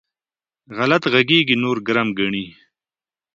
غلط غږېږي؛ نور ګرم ګڼي.